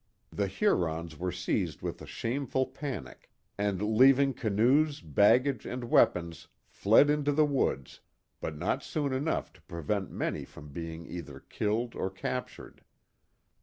The Hurons were seized with a shameful panic, and leaving canoes, baggage, and weapons, fled into the woods, but not soon enough to prevent many being either killed or captured.